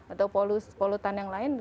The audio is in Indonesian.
atau polutan yang lain